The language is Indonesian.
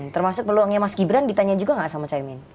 termasuk peluangnya mas gibran ditanya juga nggak sama caimin